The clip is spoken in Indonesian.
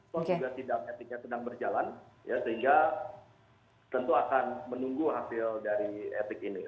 soal tindak etiknya sedang berjalan ya sehingga tentu akan menunggu hasil dari etik ini